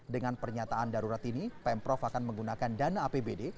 dengan pernyataan darurat ini pemprov akan menggunakan dana apbd